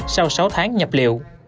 sau sáu tháng nhập liệu